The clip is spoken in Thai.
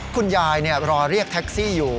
คุณยายรอเรียกแท็กซี่อยู่